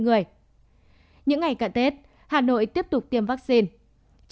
những ngày cận tết hà nội tiếp tục tiêm vaccine